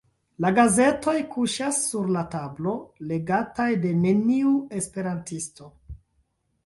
La gazetoj kuŝas sur la tablo, legataj de neniu esperantisto.